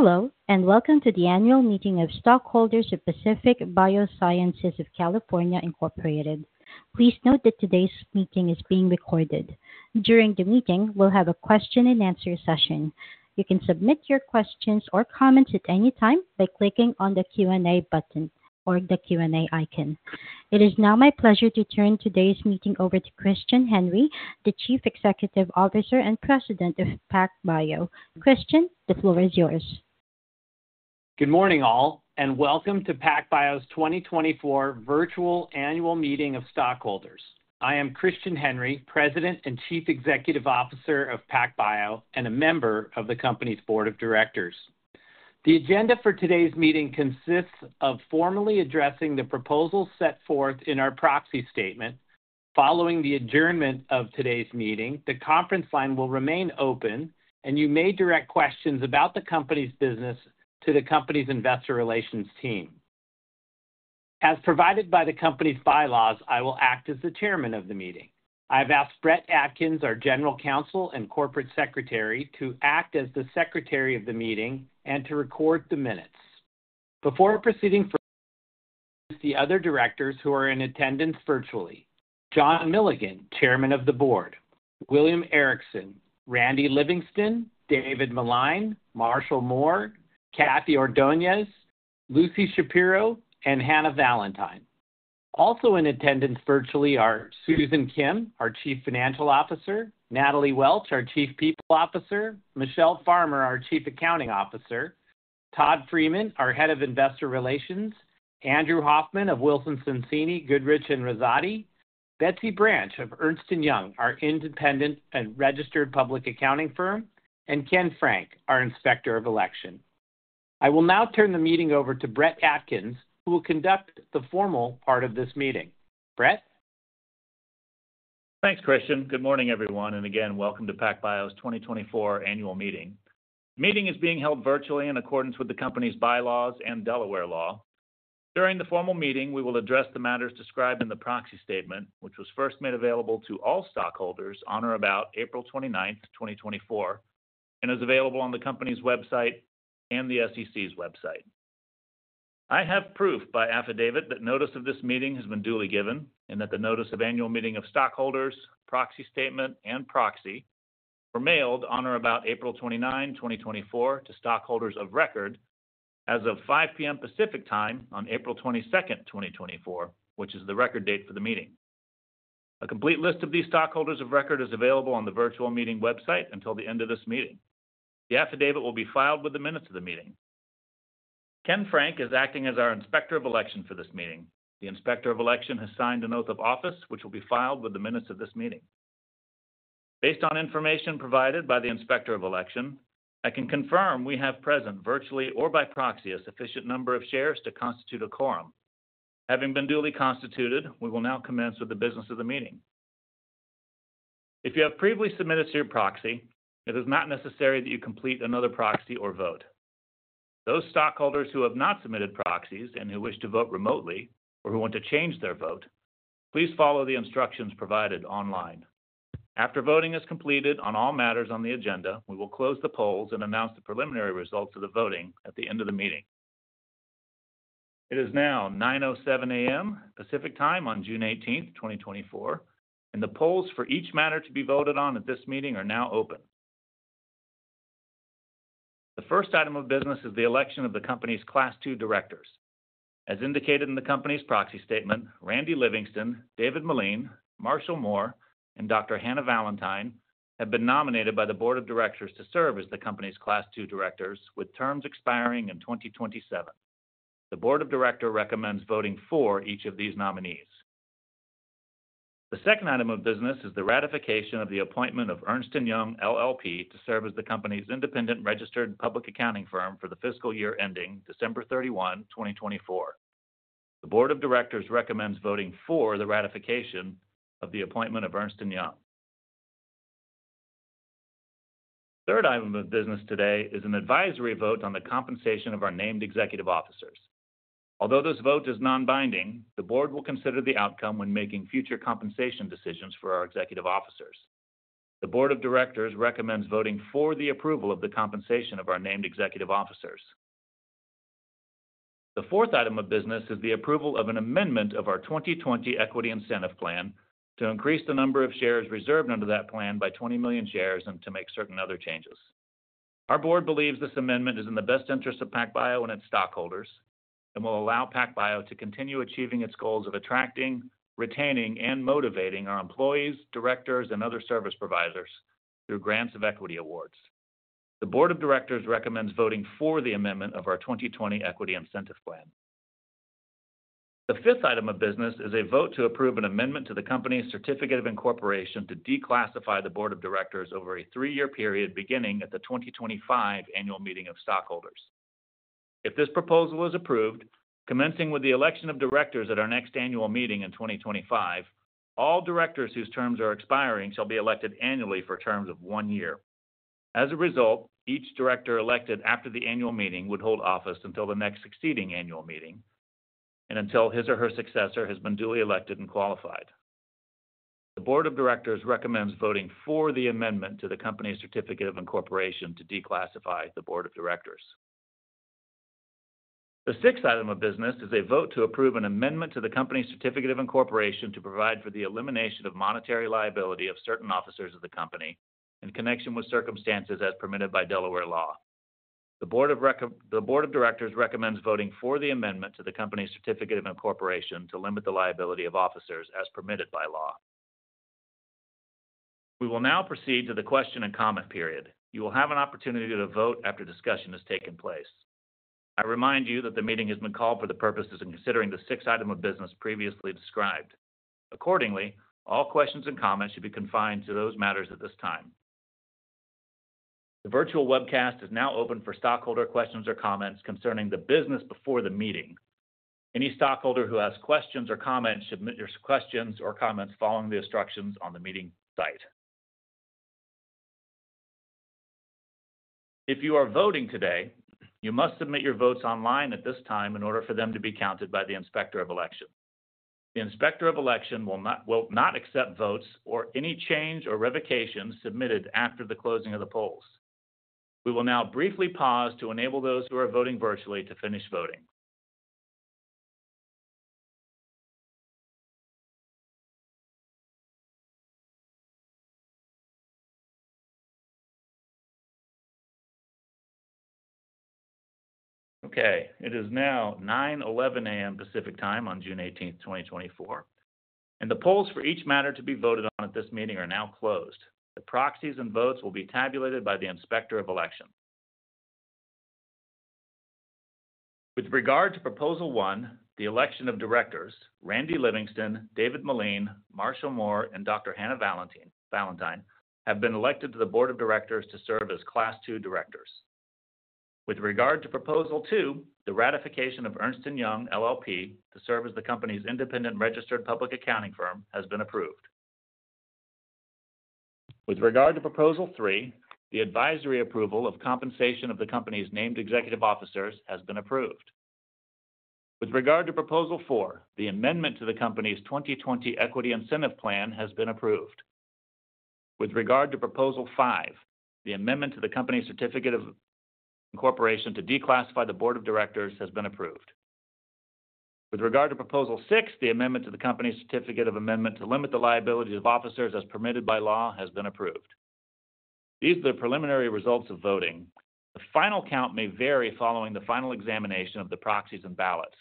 Hello, and welcome to the annual meeting of stockholders of Pacific Biosciences of California Incorporated. Please note that today's meeting is being recorded. During the meeting, we'll have a question and answer session. You can submit your questions or comments at any time by clicking on the Q&A button or the Q&A icon. It is now my pleasure to turn today's meeting over to Christian Henry, the Chief Executive Officer and President of PacBio. Christian, the floor is yours. Good morning, all, and welcome to PacBio's 2024 virtual annual meeting of stockholders. I am Christian Henry, President and Chief Executive Officer of PacBio, and a member of the company's board of directors. The agenda for today's meeting consists of formally addressing the proposals set forth in our proxy statement. Following the adjournment of today's meeting, the conference line will remain open, and you may direct questions about the company's business to the company's investor relations team. As provided by the company's bylaws, I will act as the chairman of the meeting. I've asked Brett Atkins, our General Counsel and Corporate Secretary, to act as the secretary of the meeting and to record the minutes. Before proceeding further, the other directors who are in attendance virtually: John Milligan, Chairman of the Board, William Ericson, Randy Livingston, David Meline, Marshall Mohr, Kathy Ordoñez, Lucy Shapiro, and Hannah Valantine. Also in attendance virtually are Susan Kim, our Chief Financial Officer, Natalie Welch, our Chief People Officer, Michele Farmer, our Chief Accounting Officer, Todd Freeman, our Head of Investor Relations, Andrew Hoffman of Wilson Sonsini Goodrich & Rosati, Betsy Branch of Ernst & Young, our independent and registered public accounting firm, and Ken Frank, our Inspector of Election. I will now turn the meeting over to Brett Atkins, who will conduct the formal part of this meeting. Brett? Thanks, Christian. Good morning, everyone, and again, welcome to PacBio's 2024 annual meeting. The meeting is being held virtually in accordance with the company's bylaws and Delaware law. During the formal meeting, we will address the matters described in the proxy statement, which was first made available to all stockholders on or about April 29th, 2024, and is available on the company's website and the SEC's website. I have proof by affidavit that notice of this meeting has been duly given, and that the notice of annual meeting of stockholders, proxy statement, and proxy were mailed on or about April 29, 2024, to stockholders of record as of 5 P.M. Pacific Time on April 22nd, 2024, which is the record date for the meeting. A complete list of these stockholders of record is available on the virtual meeting website until the end of this meeting. The affidavit will be filed with the minutes of the meeting. Ken Frank is acting as our Inspector of Election for this meeting. The Inspector of Election has signed an oath of office, which will be filed with the minutes of this meeting. Based on information provided by the Inspector of Election, I can confirm we have present, virtually or by proxy, a sufficient number of shares to constitute a quorum. Having been duly constituted, we will now commence with the business of the meeting. If you have previously submitted to your proxy, it is not necessary that you complete another proxy or vote. Those stockholders who have not submitted proxies and who wish to vote remotely, or who want to change their vote, please follow the instructions provided online. After voting is completed on all matters on the agenda, we will close the polls and announce the preliminary results of the voting at the end of the meeting. It is now 9:07 A.M. Pacific Time on June 18th, 2024, and the polls for each matter to be voted on at this meeting are now open. The first item of business is the election of the company's Class II directors. As indicated in the company's proxy statement, Randy Livingston, David Meline, Marshall Mohr, and Dr. Hannah Valantine have been nominated by the board of directors to serve as the company's Class II directors with terms expiring in 2027. The board of directors recommends voting for each of these nominees. The second item of business is the ratification of the appointment of Ernst & Young LLP to serve as the company's independent registered public accounting firm for the fiscal year ending December 31, 2024. The board of directors recommends voting for the ratification of the appointment of Ernst & Young. Third item of business today is an advisory vote on the compensation of our named executive officers. Although this vote is non-binding, the board will consider the outcome when making future compensation decisions for our executive officers. The board of directors recommends voting for the approval of the compensation of our named executive officers. The fourth item of business is the approval of an amendment of our 2020 Equity Incentive Plan to increase the number of shares reserved under that plan by 20 million shares and to make certain other changes. Our board believes this amendment is in the best interest of PacBio and its stockholders and will allow PacBio to continue achieving its goals of attracting, retaining, and motivating our employees, directors, and other service providers through grants of equity awards. The board of directors recommends voting for the amendment of our 2020 Equity Incentive Plan. The fifth item of business is a vote to approve an amendment to the company's Certificate of Incorporation to declassify the board of directors over a three-year period, beginning at the 2025 annual meeting of stockholders. If this proposal is approved, commencing with the election of directors at our next annual meeting in 2025, all directors whose terms are expiring shall be elected annually for terms of one year. As a result, each director elected after the annual meeting would hold office until the next succeeding annual meeting and until his or her successor has been duly elected and qualified. The Board of Directors recommends voting for the amendment to the company's Certificate of Incorporation to declassify the Board of Directors. The sixth item of business is a vote to approve an amendment to the company's Certificate of Incorporation to provide for the elimination of monetary liability of certain officers of the company in connection with circumstances as permitted by Delaware law. The Board of Directors recommends voting for the amendment to the company's Certificate of Incorporation to limit the liability of officers as permitted by law. We will now proceed to the question and comment period. You will have an opportunity to vote after discussion has taken place. I remind you that the meeting has been called for the purposes of considering the sixth item of business previously described. Accordingly, all questions and comments should be confined to those matters at this time. The virtual webcast is now open for stockholder questions or comments concerning the business before the meeting. Any stockholder who has questions or comments, submit your questions or comments following the instructions on the meeting site. If you are voting today, you must submit your votes online at this time in order for them to be counted by the Inspector of Election. The Inspector of Election will not, will not accept votes or any change or revocation submitted after the closing of the polls. We will now briefly pause to enable those who are voting virtually to finish voting. Okay, it is now 9:11 A.M. Pacific Time on June 18th, 2024, and the polls for each matter to be voted on at this meeting are now closed. The proxies and votes will be tabulated by the Inspector of Election. With regard to Proposal One, the election of directors, Randy Livingston, David Meline, Marshall Mohr, and Dr. Hannah Valantine, have been elected to the board of directors to serve as Class II directors. With regard to Proposal Two, the ratification of Ernst & Young LLP to serve as the company's independent registered public accounting firm, has been approved. With regard to Proposal Three, the advisory approval of compensation of the company's named executive officers has been approved. With regard to Proposal Four, the amendment to the company's 2020 Equity Incentive Plan has been approved. With regard to Proposal Five, the amendment to the company's Certificate of Incorporation to declassify the board of directors has been approved. With regard to Proposal Six, the amendment to the company's Certificate of Incorporation to limit the liability of officers as permitted by law has been approved. These are the preliminary results of voting. The final count may vary following the final examination of the proxies and ballots.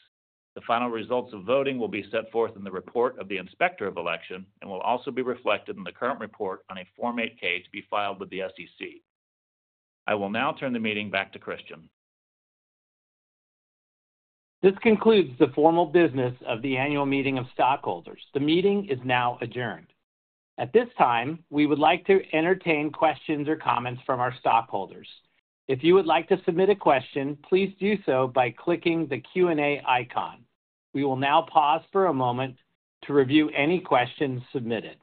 The final results of voting will be set forth in the report of the Inspector of Election and will also be reflected in the current report on a Form 8-K to be filed with the SEC. I will now turn the meeting back to Christian. This concludes the formal business of the annual meeting of stockholders. The meeting is now adjourned. At this time, we would like to entertain questions or comments from our stockholders. If you would like to submit a question, please do so by clicking the Q&A icon. We will now pause for a moment to review any questions submitted.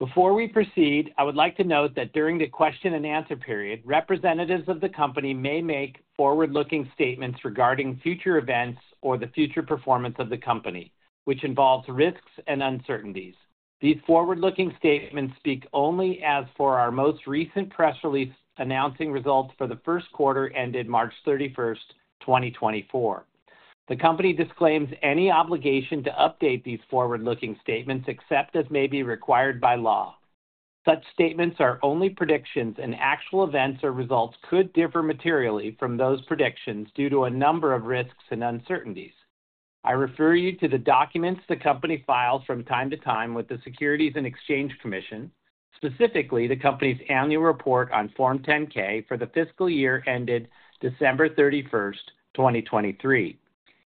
Before we proceed, I would like to note that during the question and answer period, representatives of the company may make forward-looking statements regarding future events or the future performance of the company, which involves risks and uncertainties. These forward-looking statements speak only as of our most recent press release, announcing results for the first quarter ended March 31st, 2024. The company disclaims any obligation to update these forward-looking statements, except as may be required by law. Such statements are only predictions, and actual events or results could differ materially from those predictions due to a number of risks and uncertainties. I refer you to the documents the company files from time to time with the Securities and Exchange Commission, specifically the company's annual report on Form 10-K for the fiscal year ended December 31st, 2023,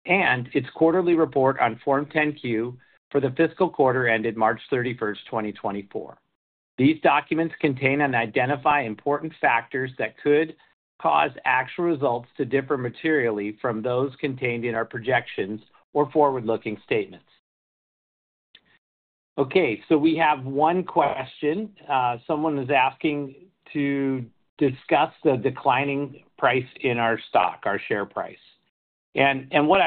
and its quarterly report on Form 10-Q for the fiscal quarter ended March 31st, 2024. These documents contain and identify important factors that could cause actual results to differ materially from those contained in our projections or forward-looking statements. Okay, so we have one question. Someone is asking to discuss the declining price in our stock, our share price. What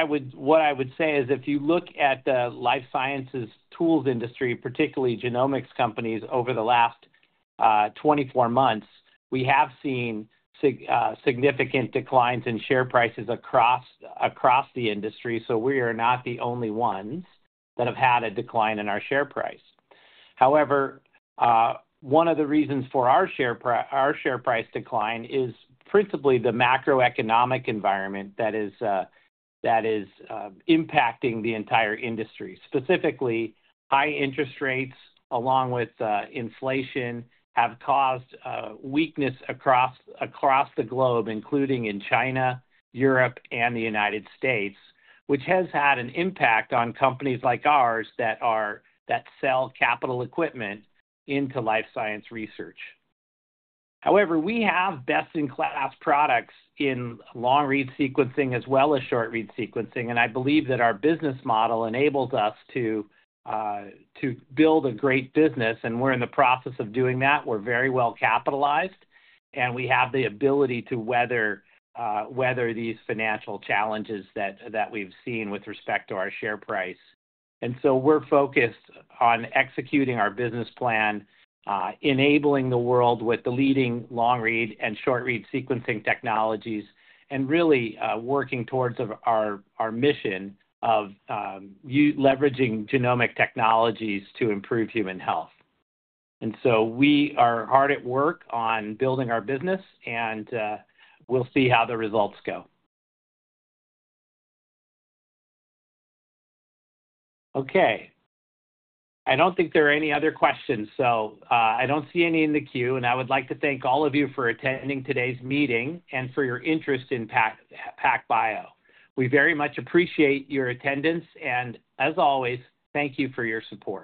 I would say is, if you look at the life sciences tools industry, particularly genomics companies, over the last 24 months, we have seen significant declines in share prices across the industry. So we are not the only ones that have had a decline in our share price. However, one of the reasons for our share price decline is principally the macroeconomic environment that is impacting the entire industry. Specifically, high interest rates along with inflation have caused weakness across the globe, including in China, Europe, and the United States, which has had an impact on companies like ours that sell capital equipment into life science research. However, we have best-in-class products in long-read sequencing as well as short-read sequencing, and I believe that our business model enables us to to build a great business, and we're in the process of doing that. We're very well capitalized, and we have the ability to weather weather these financial challenges that that we've seen with respect to our share price. And so we're focused on executing our business plan, enabling the world with the leading long-read and short-read sequencing technologies, and really, working towards of our our mission of leveraging genomic technologies to improve human health. And so we are hard at work on building our business, and, we'll see how the results go Okay, I don't think there are any other questions, so, I don't see any in the queue, and I would like to thank all of you for attending today's meeting and for your interest in PacBio. We very much appreciate your attendance, and as always, thank you for your support.